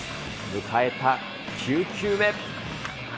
迎えた９球目。